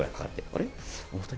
あれ？